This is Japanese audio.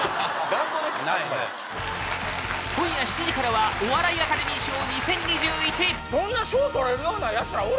あくまで今夜７時からは「お笑いアカデミー賞２０２１」